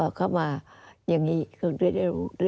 อันดับ๖๓๕จัดใช้วิจิตร